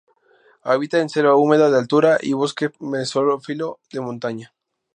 Habita en selva húmeda de altura y bosque mesófilo de montaña.